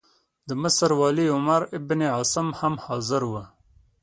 د مصر والي عمروبن عاص هم حاضر وو.